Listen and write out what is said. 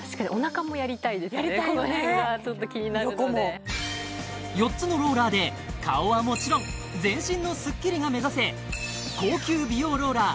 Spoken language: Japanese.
この辺がちょっと気になるので横も４つのローラーで顔はもちろん全身のスッキリが目指せ高級美容ローラー